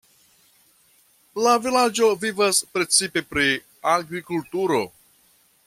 La vilaĝo vivas precipe pri agrikulturo.